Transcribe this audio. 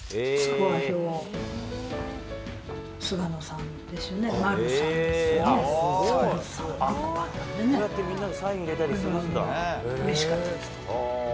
これはうれしかったです。